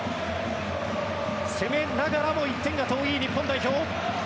攻めながらも１点が遠い日本代表。